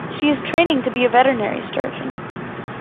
She is training to be a veterinary surgeon